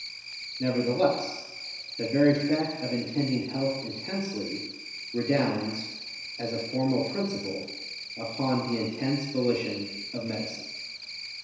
Nevertheless the very fact of intending health intensely, redounds, as a formal principle, upon the intense volition of medicine.